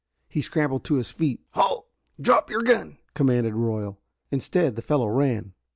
He scrambled to his feet. "Halt. Drop your gun!" commanded Royal. Instead the fellow ran.